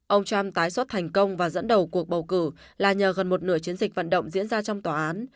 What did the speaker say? ông trump tái xuất thành công và dẫn đầu cuộc bầu cử là nhờ gần một nửa chiến dịch vận động diễn ra trong tòa án